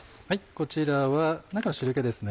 こちらは中の汁気ですね。